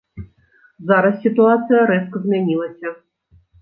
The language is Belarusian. Зараз сітуацыя рэзка змянілася.